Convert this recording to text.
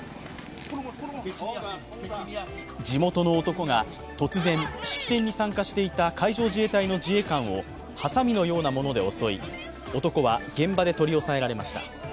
地元の男が、突然、式典に参加していた海上自衛隊の自衛官をはさみのようなもので襲い男は現場で取り押さえられました。